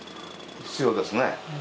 必要ですね。